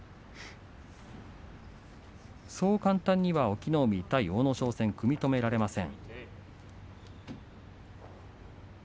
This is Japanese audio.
そう簡単には隠岐の海、阿武咲組み止められません。